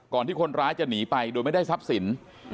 ที่คนร้ายจะหนีไปโดยไม่ได้ทรัพย์สิน